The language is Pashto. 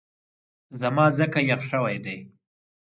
زما ځکه یخ شوی دی